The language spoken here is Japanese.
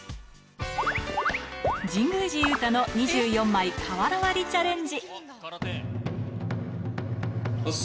神宮寺勇太の２４枚瓦割りチャレンジ。